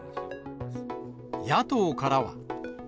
野党からは。